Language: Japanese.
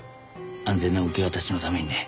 安全な受け渡しのためにね。